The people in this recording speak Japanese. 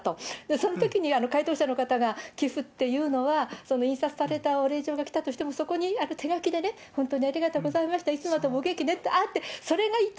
そのときに回答者の方が、寄付っていうのは、印刷されたお礼状が来たとしても、そこに手書きでね、本当にありがとうございました、いつまでもお元気でってあって、それがいいと。